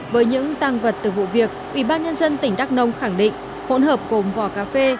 với những tăng vật từ vụ việc ủy ban nhân dân tỉnh đắk nông khẳng định hỗn hợp gồm vỏ cà phê